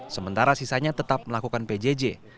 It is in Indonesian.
sementara sisanya tetap melakukan pjj